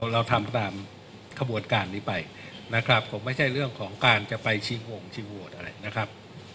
เราทำตามขบวนการนี้ไปนะครับคงไม่ใช่เรื่องของการจะไปชิงวงชิงโหวตอะไรนะครับ